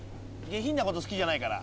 下品なこと好きじゃないから。